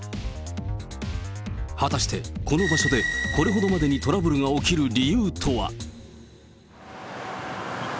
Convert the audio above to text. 果たしてこの場所で、これほどまでにトラブルが起きる理由とは。